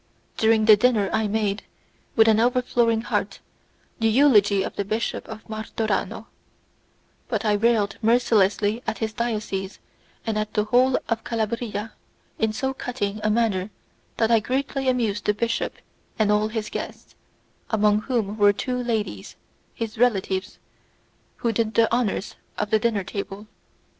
During the dinner I made, with an overflowing heart, the eulogy of the Bishop of Martorano; but I railed mercilessly at his diocese and at the whole of Calabria in so cutting a manner that I greatly amused the archbishop and all his guests, amongst whom were two ladies, his relatives, who did the honours of the dinner table.